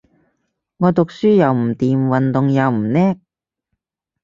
我讀書又唔掂，運動又唔叻